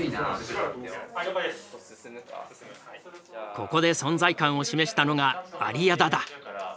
ここで存在感を示したのが有屋田だ。